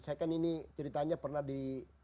saya kan ini ceritanya pernah di